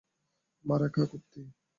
মারা খা, কুত্তি?